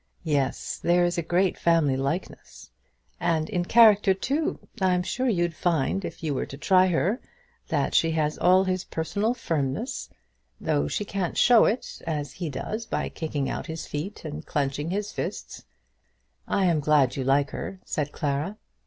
"Yes; there is a great family likeness." "And in character, too. I'm sure you'd find, if you were to try her, that she has all his personal firmness, though she can't show it as he does by kicking out his feet and clenching his fist." "I'm glad you like her," said Clara.